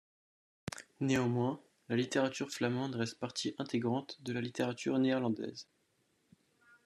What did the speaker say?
Néanmoins, la littérature flamande reste partie intégrante de la littérature néerlandaise.